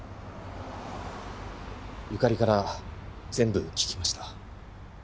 由香利から全部聞きました。